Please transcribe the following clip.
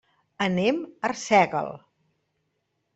Anem a Arsèguel.